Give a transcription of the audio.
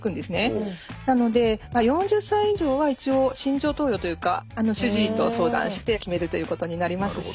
なので４０歳以上は一応慎重投与というか主治医と相談して決めるということになりますし。